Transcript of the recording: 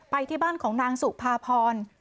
ไปที่บ้านของนางสุภาพร